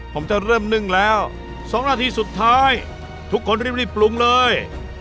ผมจะเริ่มนึ่งแล้ว๒นาทีสุดท้ายทุกคนรีบปรุงเลย